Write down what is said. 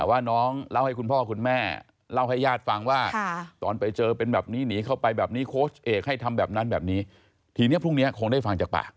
ว่าน้องเล่าให้คุณพ่อคุณแม่เล่าให้ญาติฟังว่าตอนไปเจอเป็นแบบนี้หนีเข้าไปแบบนี้โค้ชเอกให้ทำแบบนั้นแบบนี้ทีนี้พรุ่งนี้คงได้ฟังจากปาก